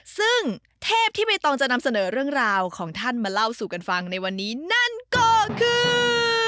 ซึ่งเทพที่ใบตองจะนำเสนอเรื่องราวของท่านมาเล่าสู่กันฟังในวันนี้นั่นก็คือ